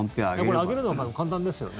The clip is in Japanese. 上げるの簡単ですよね？